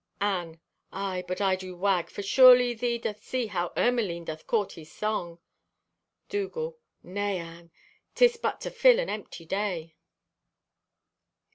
Anne.—"Aye, but I do wag! For surely thee doth see how Ermaline doth court his song." Dougal.—"Nay, Anne, 'tis but to fill an empty day."